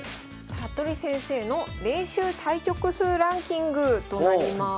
服部先生の練習対局数ランキングとなります。